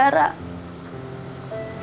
seperti satu keluarga